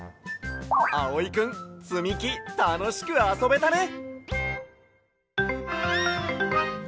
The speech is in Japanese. あおいくんつみきたのしくあそべたね！